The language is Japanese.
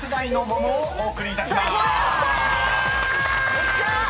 おっしゃ！